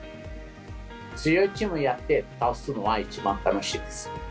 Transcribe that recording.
強いチームとやって倒すのは一番楽しいです。